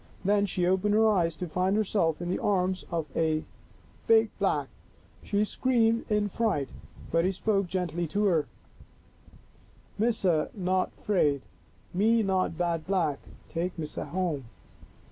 Then she opened her eyes to find herself in the arms of a big Black. She screamed in fright, but he spoke gently to her. 74 Our Little Australian Cousin " Missa not 'fraid. Me not bad Black. Take Missa home."